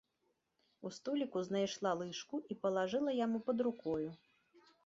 У століку знайшла лыжку і палажыла яму пад рукою.